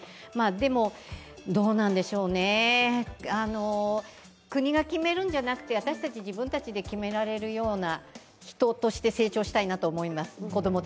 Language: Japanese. でも、どうなんでしょうね、国が決めるんじゃなくて私たち自分たちで決められるような、人として成長したいなと思います。